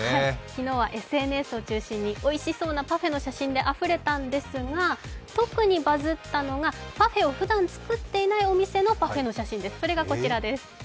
昨日はＳＮＳを中心においしそうなパフェの画像で盛り上がったんですが特にバズったのが、パフェをふだん作っていないお店のパフェの写真です、それがこちらです。